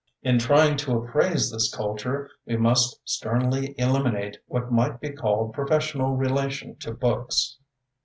In trying to appraise this culture, we must sternly eliminate what might be called professional relation to books.